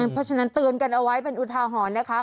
เพราะฉะนั้นเตือนกันเอาไว้เป็นอุทาหรณ์นะคะ